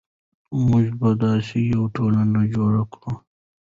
موږ به داسې یوه ټولنه جوړه کړو.